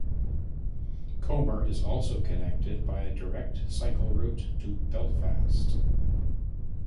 Comber is also connected by a direct cycle route to Belfast.